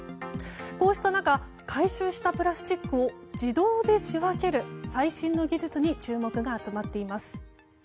こうした中回収したプラスチックを自動で仕分ける最新の技術に注目が集まっています。